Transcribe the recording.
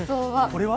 これは？